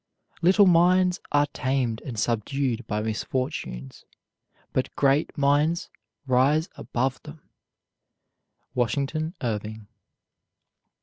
Little minds are tamed and subdued by misfortunes; but great minds rise above them. WASHINGTON IRVING.